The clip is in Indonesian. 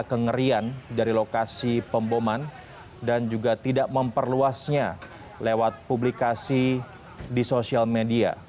kengerian dari lokasi pemboman dan juga tidak memperluasnya lewat publikasi di sosial media